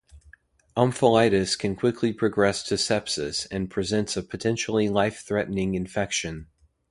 Omphalitis can quickly progress to sepsis and presents a potentially life-threatening infection.